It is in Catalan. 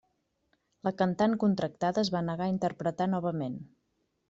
La cantant contractada es va negar a interpretar novament.